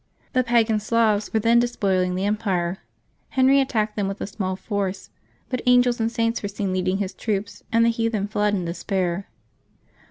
The pagan Slavs were then despoiling the empire. Henry attacked them with a small force; but angels and Saints were seen leading his troops, and the heathen fled in despair.